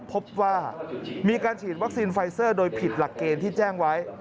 พบว่ามีการฉีดวัคซีนไฟเซอร์โดยผิดหลักเกณฑ์ที่แจ้งไว้